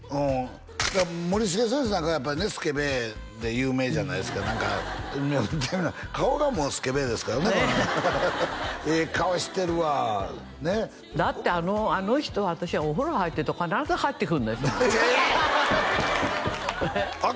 森繁先生なんかやっぱりねスケベで有名じゃないですか何か顔がもうスケベですからねええ顔してるわねっだってあの人は私がお風呂入ってると必ず入ってくるんですもんええっ！？